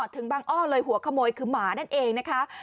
ถึงบางอ้อเลยหัวขโมยคือหมานั่นเองนะคะ